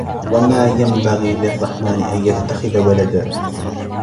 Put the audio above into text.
وما ينبغي للرحمن أن يتخذ ولدا